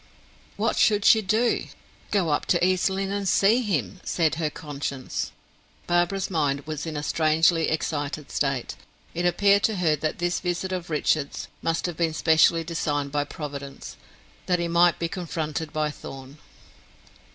What should she do? "Go up to East Lynne and see him," said her conscience. Barbara's mind was in a strangely excited state. It appeared to her that this visit of Richard's must have been specially designed by Providence, that he might be confronted by Thorn.